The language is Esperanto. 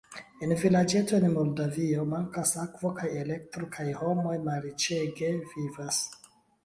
En vilaĝeto en Moldavio mankas akvo kaj elektro kaj homoj malriĉege vivas.